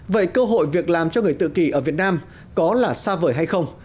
vậy cơ hội việc làm cho người tự kỳ ở việt nam có là xa vời hay không